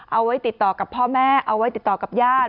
เอาไว้ติดต่อกับพ่อแม่เอาไว้ติดต่อกับญาติ